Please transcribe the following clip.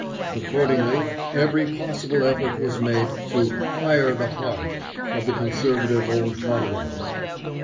Accordingly every possible effort was made to "fire the heart" of the conservative old commonwealth.